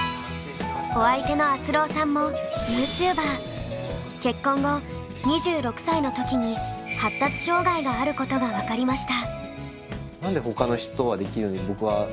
お相手のあつろーさんも結婚後２６歳の時に発達障害があることが分かりました。